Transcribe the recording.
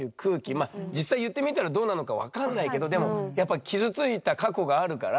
まあ実際言ってみたらどうなのか分かんないけどでもやっぱ傷ついた過去があるから。